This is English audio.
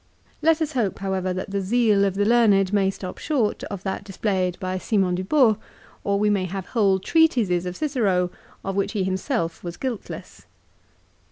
Let us hope, however, that the zeal of the learned may stop short of that displayed by Simon Di CICERO'S MORAL ESSAYS. 371 Bos, or we may have whole treatises of Cicero of which he himself was guiltless.